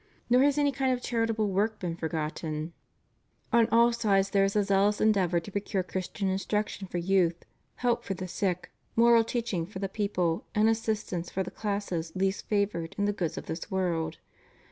Nor has any kind of charitable work been forgotten. 578 REVIEW OF HIS PONTIFICATE. On all sides there is a zealous endeavor to procure Christian instruction for youth; help for the sick; moral teaching for the people and assistance for the classes least favored in the goods of this world.